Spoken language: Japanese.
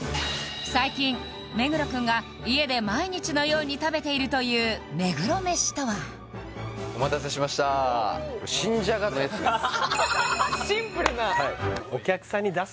最近目黒くんが家で毎日のように食べているという目黒メシとはお待たせしました新じゃがのやつです